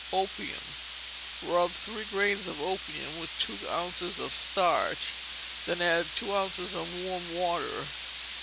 Opium. Rub three grains of opium with two ounces of starch, then add two ounces of warm water.